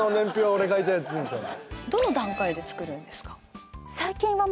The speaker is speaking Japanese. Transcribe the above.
俺書いたやつ」みたいな。